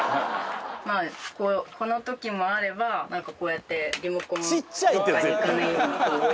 まあこの時もあればなんかこうやってリモコンどっかにいかないようにこう置いてたり。